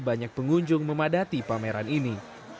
banyak pengunjung memadati pameran ini